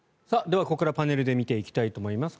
では、ここからパネルで見ていきたいと思います。